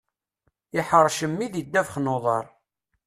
Iḥrec mmi di ddabex n uḍar.